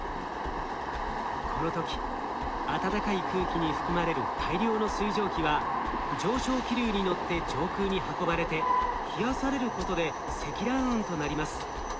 この時暖かい空気に含まれる大量の水蒸気は上昇気流に乗って上空に運ばれて冷やされることで積乱雲となります。